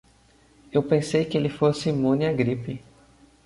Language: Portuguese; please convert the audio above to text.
Eu pensei que ele fosse imune à gripe.